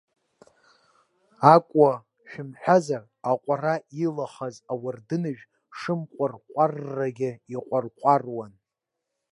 Акәуа шымҳәазара, аҟәара илахаз ауардыныжә шымҟәарҟәаррагьы иҟәарҟәаруан.